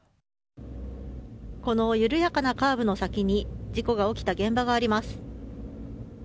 この緩やかなカーブの先に事故が起きた現場があります。